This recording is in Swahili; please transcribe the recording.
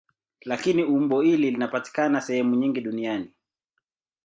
Lakini umbo hili linapatikana sehemu nyingi duniani.